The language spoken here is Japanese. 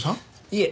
いえ。